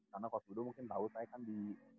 karena coach budu mungkin tau saya kan di